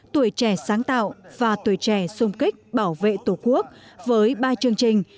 tuổi trẻ sáng tạo và tuổi trẻ sung kích bảo vệ tổ quốc với ba chương trình